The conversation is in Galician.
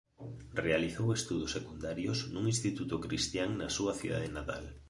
Realizou estudos secundarios nun instituto cristián na súa cidade natal.